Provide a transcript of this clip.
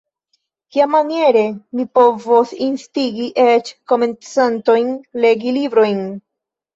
Kiamaniere mi povos instigi eĉ komencantojn legi librojn?